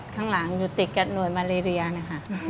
ข้างหลังอยู่ติดกับหน่วยมาเลเรียนะคะ